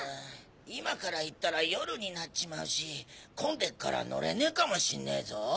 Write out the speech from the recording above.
今から行ったら夜になっちまうし混んでっから乗れねえかもしんねぇぞ。